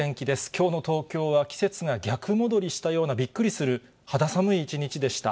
きょうの東京は季節が逆戻りしたようなびっくりする肌寒い一日でした。